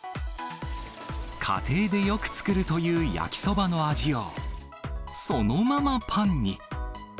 家庭でよく作るという焼きそばの味をそのままパンに。